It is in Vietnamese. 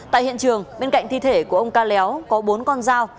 tại hiện trường bên cạnh thi thể của ông ca léo có bốn con dao